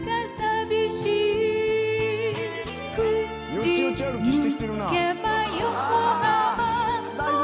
よちよち歩きしてきてるな。